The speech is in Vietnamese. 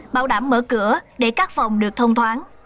bảo đảm mở cửa để các phòng được thông thoáng